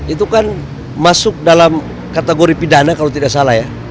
itu kan masuk dalam kategori pidana kalau tidak salah ya